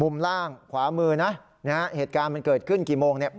ล่างขวามือนะนะฮะเหตุการณ์มันเกิดขึ้นกี่โมงเนี่ย